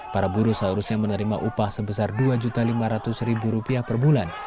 para buruh seharusnya menerima upah sebesar rp dua lima ratus per bulan